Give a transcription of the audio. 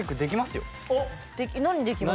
何できます？